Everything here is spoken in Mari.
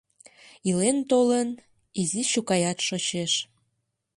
Илен-толын, изи чукаят шочеш.